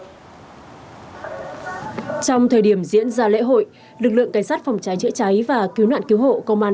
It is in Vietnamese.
trong thời điểm diễn ra lễ hội lực lượng cảnh sát phòng cháy chữa cháy và cứu nạn cứu hộ công an